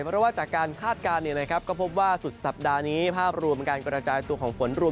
เพราะว่าจากการคาดการณ์ก็พบว่าสุดสัปดาห์นี้ภาพรวมการกระจายตัวของฝนรวม